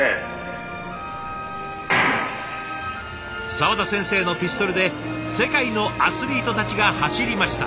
沢田先生のピストルで世界のアスリートたちが走りました。